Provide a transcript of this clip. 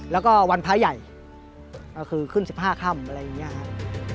แล้วก็วันพระใหญ่ก็คือขึ้น๑๕ค่ำอะไรอย่างนี้ครับ